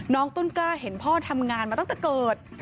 ต้นกล้าเห็นพ่อทำงานมาตั้งแต่เกิด